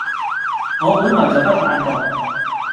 我本來就不懶惰